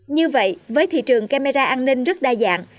như vậy với thị trường camera an ninh rất đa dạng